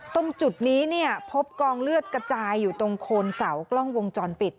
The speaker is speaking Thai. ตรงจุดนี้เนี่ยพบกองเลือดกระจายอยู่ตรงโคนเสากล้องวงจรปิด